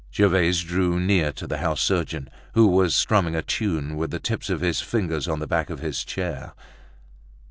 Gervaise drew near to the house surgeon, who was strumming a tune with the tips of his fingers on the back of his chair.